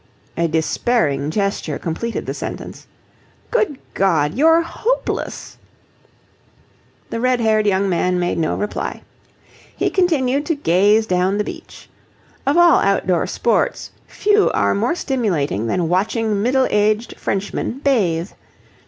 A despairing gesture completed the sentence. "Good God, you're hopeless!" The red haired young man made no reply. He continued to gaze down the beach. Of all outdoor sports, few are more stimulating than watching middle aged Frenchmen bathe.